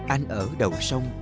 anh ở đầu sông